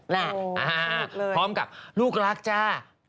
โอ้โฮจริงเลยพร้อมกับลูกลักษณ์จ้าใครคะ